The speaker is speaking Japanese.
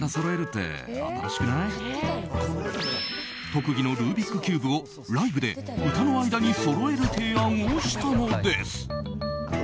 特技のルービックキューブをライブで歌の間にそろえる提案をしたのです。